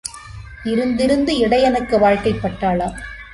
இருந்து இருந்து இடையனுக்கு வாழ்க்கைப்பட்டாளாம்.